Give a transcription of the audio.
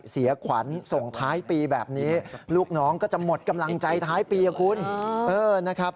เสียขวัญส่งท้ายปีแบบนี้ลูกน้องก็จะหมดกำลังใจท้ายปีคุณนะครับ